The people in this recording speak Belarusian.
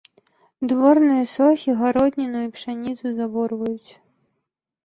Дворныя сохі гародніну і пшаніцу заворваюць!